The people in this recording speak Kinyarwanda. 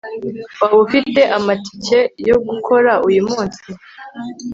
waba ufite amatike yo gukora uyumunsi